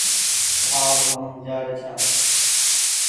آ و هم جآ ري ڇآن ۔